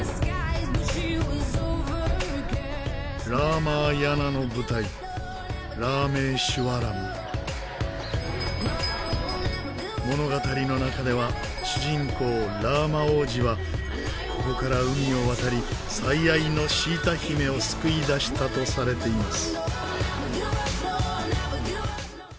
『ラーマーヤナ』の舞台物語の中では主人公ラーマ王子はここから海を渡り最愛のシータ姫を救い出したとされています。